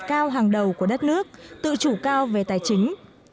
cao hàng đầu của đất nước tự chủ cao về tài chính